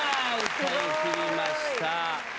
歌いきりました。